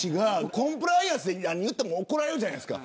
コンプライアンスで何言っても怒られるじゃないですか。